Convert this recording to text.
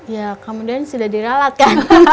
ya kemudian sudah diralatkan